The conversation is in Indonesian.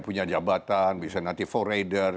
punya jabatan bisa nanti forader